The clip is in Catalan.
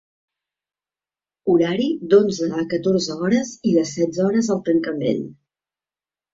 Horari d’onze a catorze h i de setze h al tancament.